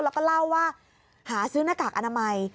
แล้วก็เล่าว่าหาซื้อหน้ากากอนามัย